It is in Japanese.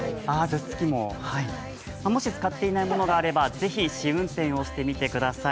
もし、使っていない物があれば、ぜひ試運転をしてみてください。